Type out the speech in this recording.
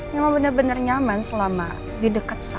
memang bener bener nyaman selama di deket sal